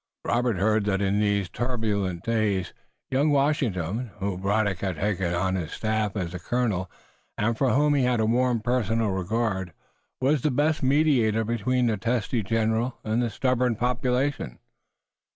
Robert heard that in these turbulent days young Washington, whom Braddock had taken on his staff as a colonel and for whom he had a warm personal regard, was the best mediator between the testy general and the stubborn population.